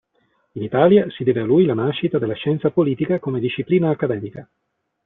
In Italia si deve a lui la nascita della scienza politica come disciplina accademica.